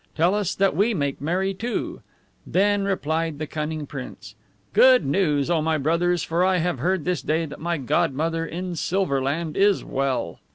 Tell us, that we make merry too!" Then replied the cunning prince, "Good news, O my brothers, for I have heard this day that my godmother in SILVER LAND is well."